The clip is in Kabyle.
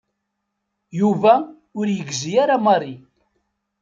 Yuba ur yegzi ara Mary.